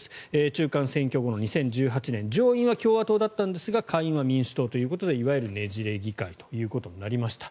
中間選挙後の２０１８年上院は共和党だったんですが下院は民主党だったのでいわゆるねじれ議会ということになりました。